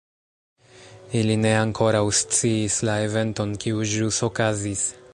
Ili ne ankoraŭ sciis la eventon kiu ĵus okazis.